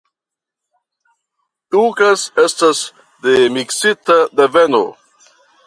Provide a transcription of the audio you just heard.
Tookes estas de miksita deveno.